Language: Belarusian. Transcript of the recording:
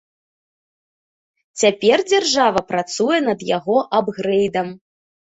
Цяпер дзяржава працуе над яго абгрэйдам.